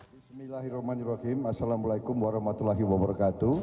bismillahirrahmanirrahim assalamualaikum warahmatullahi wabarakatuh